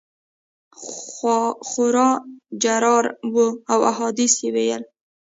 خورا جرار وو او احادیث یې ویل.